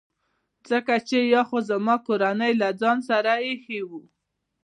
ځکه چي یا خو زما کورنۍ له ځان سره ایښي وو.